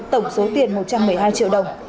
tổng số tiền một trăm một mươi hai triệu đồng